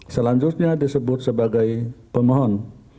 selanjutnya disebut sebagai pemohon